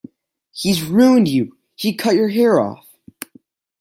'He's "ruined" you-he cut your hair off!